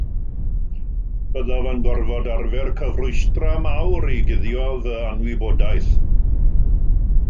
Byddaf yn gorfod arfer cyfrwystra mawr i guddio fy anwybodaeth.